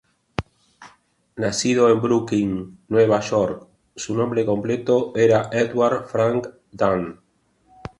Nacido en Brooklyn, Nueva York, su nombre completo era Edward Frank Dunn.